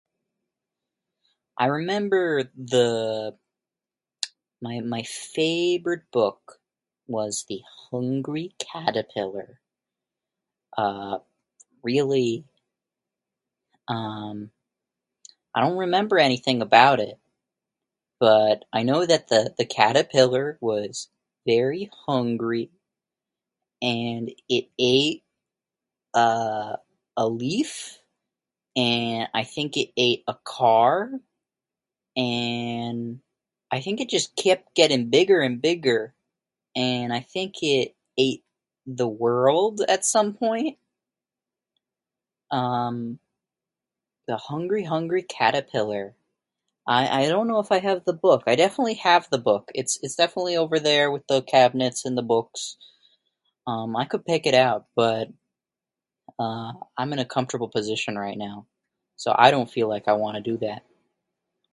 I remember the my my favorite book was The Hungry Caterpillar. Uh, really um, I don't remember anything about it, but I know that the the caterpillar was very hungry and it ate, uh, a leaf, and I think it ate a car, and I think it just kept getting bigger and bigger, and I think it ate the world at some point. Um, The Hungry Hungry Caterpillar. I I don't know if I have the book, I definitely have the book, it's it's definitely over there with the cabinets and the books. Um, I could pick it out, but, uh, I'm in a comfortable position right now. So I don't feel like I wanna do that.